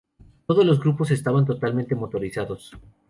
Todos los grupos estaban totalmente motorizados.